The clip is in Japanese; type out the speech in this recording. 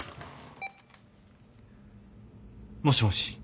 もしもし。